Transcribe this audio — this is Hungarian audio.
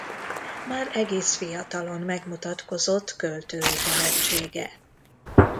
Már egész fiatalon megmutatkozott költői tehetsége.